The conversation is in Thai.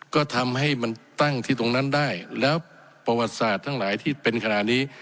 ก็ทำให้มันตั้งที่ตรงนั้นได้แล้วประวัติศาสตร์ทั้งหลายที่เป็นขนาดนี้